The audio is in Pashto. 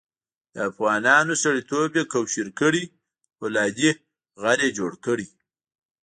د افغانانو سړیتوب یې کوشیر کړی او فولادي غر یې جوړ کړی.